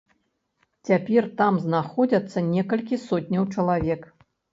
Цяпер там знаходзіцца некалькі сотняў чалавек.